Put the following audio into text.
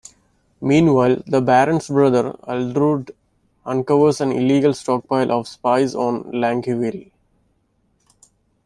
Meanwhile, the Baron's brother, Abulurd, uncovers an illegal stockpile of spice on Lankiveil.